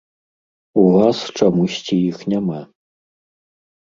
У вас чамусьці іх няма.